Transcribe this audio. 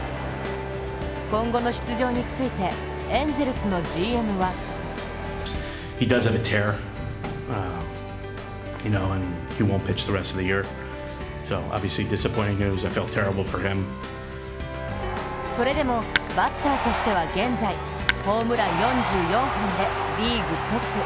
今後の出場についてエンゼルスのＧＭはそれでもバッターとしては現在ホームラン４４本でリーグトップ。